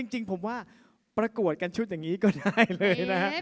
จริงผมว่าประกวดกันชุดอย่างนี้ก็ได้เลยนะฮะ